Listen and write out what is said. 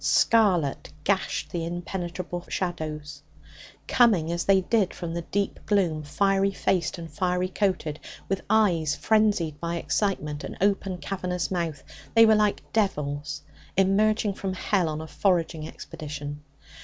Scarlet gashed the impenetrable shadows. Coming, as they did, from the deep gloom, fiery faced and fiery coated, with eyes frenzied by excitement, and open, cavernous mouths, they were like devils emerging from hell on a foraging expedition.